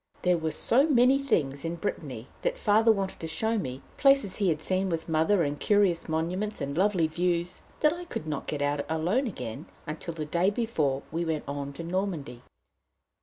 There were so many things in Brittany that Father wanted to show me places he had seen with Mother, and curious monuments, and lovely views, that I could not get out alone again until the day before we went on to Normandy.